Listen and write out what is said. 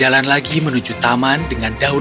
ilmunya yang kita kutip kanak kanakan